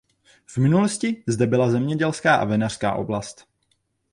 V minulosti zde byla zemědělská a vinařská oblast.